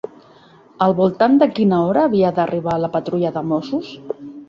Al voltant de quina hora havia d'arribar la patrulla de mossos?